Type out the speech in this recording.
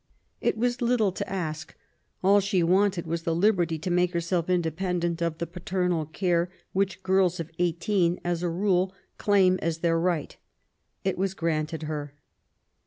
It was little to ask. All she wanted was the liberty to make herself independent of the paternal care which girls of eighteen, as a rule, claim as their right. It was granted her.